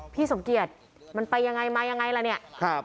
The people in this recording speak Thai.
พี่สมเกียจมันไปยังไงมายังไงล่ะเนี่ย